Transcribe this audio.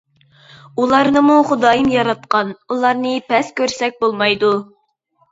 ئۇلارنىمۇ خۇدايىم ياراتقان ئۇلارنى پەس كۆرسەك بولمايدۇ.